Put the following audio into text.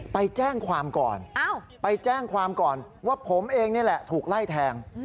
ไปแจ้งความก่อนว่าผมเองนี่แหละถูกไล่แทง